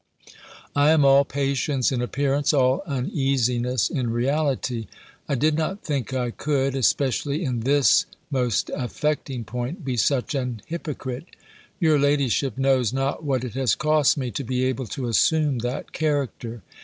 I am all patience in appearance, all uneasiness in reality. I did not think I could, especially in this most affecting point, be such an hypocrite. Your ladyship knows not what it has cost me, to be able to assume that character!